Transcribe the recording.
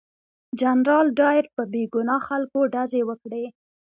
جنرال ډایر په بې ګناه خلکو ډزې وکړې.